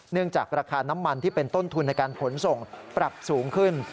จากราคาน้ำมันที่เป็นต้นทุนในการขนส่งปรับสูงขึ้น